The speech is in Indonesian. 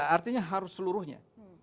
artinya harus seluruhnya